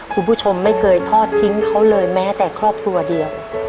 คุณผู้ชมไม่เคยทอดทิ้งเขาเลยแม้แต่ครอบครัวเดียว